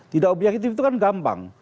tidak objektif itu kan gampang